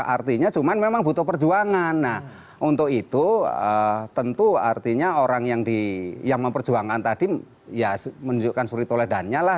artinya cuman memang butuh perjuangan nah untuk itu tentu artinya orang yang di yang memperjuangkan tadi ya menunjukkan suri toledannya lah